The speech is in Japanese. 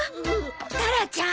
タラちゃん。